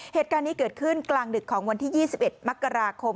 เหตุการณ์นี้เกิดขึ้นกลางดึกของวันที่๒๑มกราคม